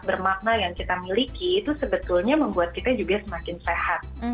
bermakna yang kita miliki itu sebetulnya membuat kita juga semakin sehat